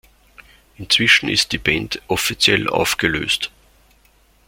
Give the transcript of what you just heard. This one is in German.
Inzwischen ist die Band offiziell aufgelöst.